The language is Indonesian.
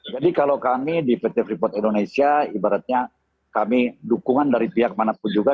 jadi kalau kami di pt frikot indonesia ibaratnya kami dukungan dari pihak manapun juga